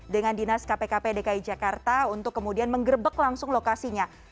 dengan dinas kpkp dki jakarta untuk kemudian menggerbek langsung lokasinya